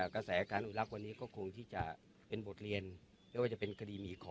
กระแสการอนุรักษ์วันนี้ก็คงที่จะเป็นบทเรียนไม่ว่าจะเป็นคดีหมีคอ